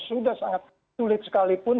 sudah sangat sulit sekalipun